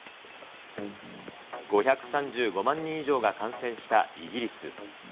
５３５万人以上が感染したイギリス。